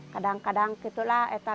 kadang kadang itu kita dua puluh